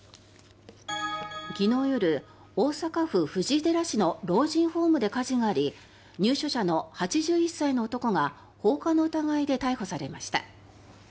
昨日夜、大阪府藤井寺市の老人ホームで火事があり入所者の８１歳の男が放火の疑いで逮捕されました。